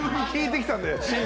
聞いてきたんで。